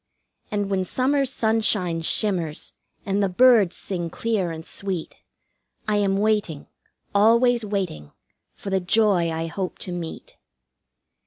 And when summer's sunshine shimmers, and the birds sing clear and sweet, I am waiting, always waiting, for the joy I hope to meet.